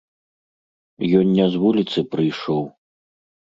Ён не з вуліцы прыйшоў.